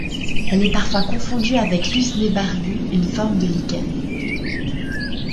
Elle est parfois confondue avec l'usnée barbue, une forme de lichen.